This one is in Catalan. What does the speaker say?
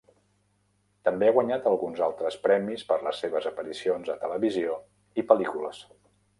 També ha guanyat alguns altres premis per les seves aparicions a televisió i pel·lícules.